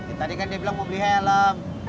ya tadi kan dia bilang mau beli helm